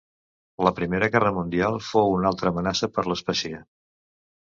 La Primera Guerra Mundial fou una altra amenaça per l'espècie.